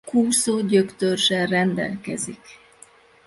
Kúszó gyöktörzzsel rendelkezik.